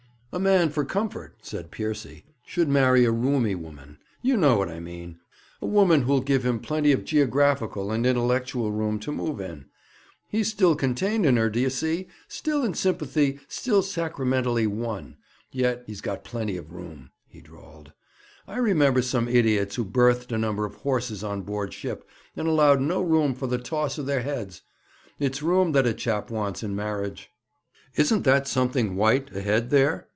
'A man for comfort,' said Piercy, 'should marry a roomy woman. You know what I mean a woman who'll give him plenty of geographical and intellectual room to move in. He's still contained in her, d'ye see, still in sympathy, still sacramentally one, yet he's got plenty of room,' he drawled. 'I remember some idiots who berthed a number of horses on board ship, and allowed no room for the toss of their heads. It's room that a chap wants in marriage.' 'Isn't that something white ahead there?'